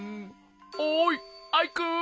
おいアイくん！